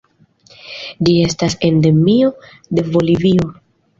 Ĝi estas endemio de Bolivio.